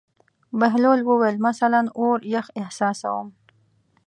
بهلول وویل: مثلاً اور یخ احساسوم.